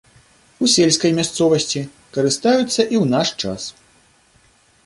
У сельскай мясцовасці карыстаюцца і ў наш час.